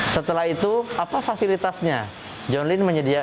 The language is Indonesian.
setelah itu apa fasilitasnya